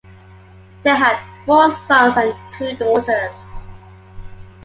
They had four sons and two daughters.